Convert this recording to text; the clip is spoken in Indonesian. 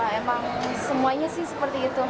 emang semuanya sih seperti itu